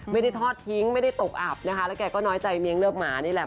ไม่ได้ทอดทิ้งไม่ได้ตกอับนะคะแล้วแกก็น้อยใจเมียงเลิกหมานี่แหละ